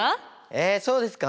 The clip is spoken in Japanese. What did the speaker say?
えっそうですか？